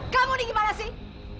kamu ini gimana sih